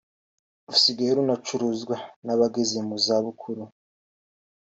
rusigaye runacuruzwa n’abageze mu za bukuru